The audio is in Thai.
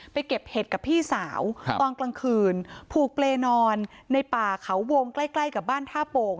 เก็บเห็ดกับพี่สาวตอนกลางคืนผูกเปรย์นอนในป่าเขาวงใกล้ใกล้กับบ้านท่าโป่ง